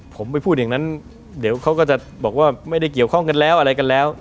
ผมไปพูดอย่างนั้นเดี๋ยวเขาก็จะบอกว่าไม่ได้เกี่ยวข้องกันแล้วอะไรกันแล้ว